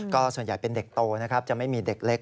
ก็ส่วนใหญ่เป็นเด็กโตนะครับจะไม่มีเด็กเล็ก